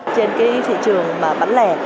trên thị trường bán lẻ